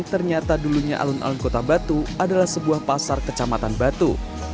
ternyata dulunya alun alun kota batu adalah sebuah pasar kecamatan batu